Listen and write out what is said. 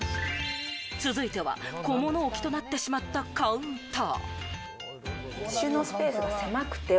続いては小物置きとなってしまったカウンター。